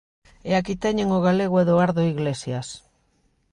E aquí teñen o galego Eduardo Iglesias.